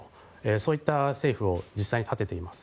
そういった政府を実際に立てています。